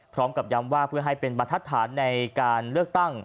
พร้อมกับย้ำว่าเพื่อให้เป็นบรรทัดฐานในการเลือกตั้ง